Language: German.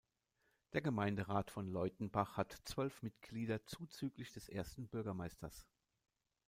Der Gemeinderat von Leutenbach hat zwölf Mitglieder zuzüglich des Ersten Bürgermeisters.